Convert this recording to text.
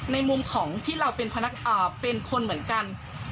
ในมุมของที่เราเป็นคนเหมือนกัน